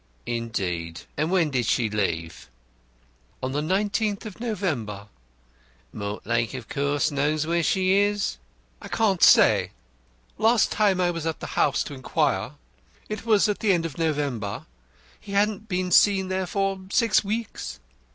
"Indeed! And when did she leave?" "On the l9th of November." "Mortlake of course knows where she is?" "I can't say. Last time I was at the house to inquire it was at the end of November he hadn't been seen there for six weeks.